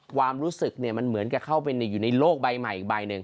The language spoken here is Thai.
ความรู้สึกมันเหมือนกับเข้าไปอยู่ในโลกใบใหม่อีกใบหนึ่ง